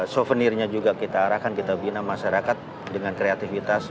souvenirnya juga kita arahkan kita bina masyarakat dengan kreativitas